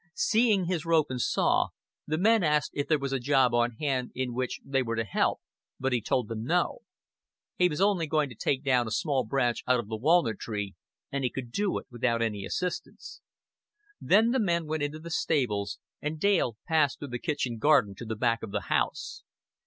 Seeing his rope and saw, the men asked if there was a job on hand in which they were to help; but he told them "No." He was only going to take down a small branch out of the walnut tree, and he could do it without any assistance. Then the men went into the stables, and Dale passed through the kitchen garden to the back of the house.